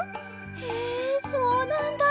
へえそうなんだ。